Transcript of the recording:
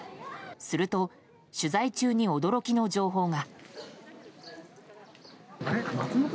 すると、取材中に驚きの情報が。